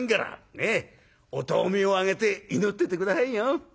ねえお灯明をあげて祈ってて下さいよ。